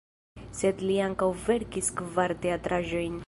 Sed li ankaŭ verkis kvar teatraĵojn.